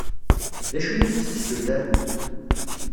D acu i ak-d-tessuter?